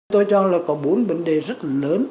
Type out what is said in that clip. tôi cho là có bốn vấn đề rất lớn